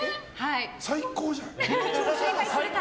最高じゃん！